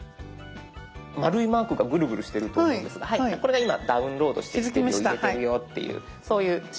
丸いマークがぐるぐるしてると思うんですがこれが今ダウンロードして入れてるよっていうそういう印です。